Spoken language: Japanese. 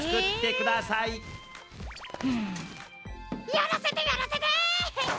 やらせてやらせて！